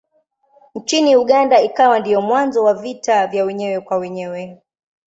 Nchini Uganda ikawa ndiyo mwanzo wa vita vya wenyewe kwa wenyewe.